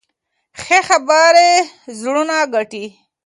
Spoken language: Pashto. ښې خبرې زړونه ګټي.